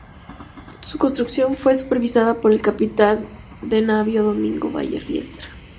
Su construcción fue supervisada por el capitán de navío Domingo Valle Riestra.